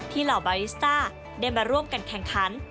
เหล่าบาริสต้าได้มาร่วมกันแข่งขัน